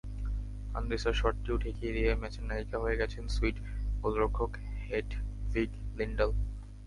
আন্দ্রেসার শটটিও ঠেকিয়ে দিয়ে ম্যাচের নায়িকা হয়ে গেছেন সুইড গোলরক্ষক হেডভিগ লিন্ডাল।